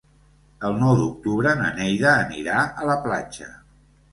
El nou d'octubre na Neida anirà a la platja.